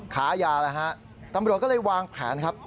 ขายาแล้วฮะตำรวจก็เลยวางแผนครับ